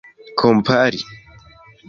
kompari